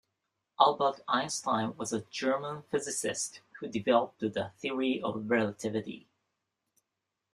Albert Einstein was a German physicist who developed the Theory of Relativity.